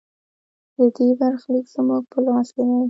د دې برخلیک زموږ په لاس کې دی